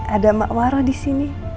ada emak waro disini